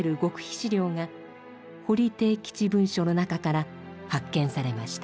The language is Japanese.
資料が堀悌吉文書の中から発見されました。